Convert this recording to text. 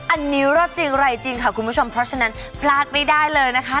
อันนี้เลิศจริงอะไรจริงค่ะคุณผู้ชมเพราะฉะนั้นพลาดไม่ได้เลยนะคะ